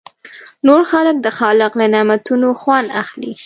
نور خلک د خالق له نعمتونو خوند اخلي.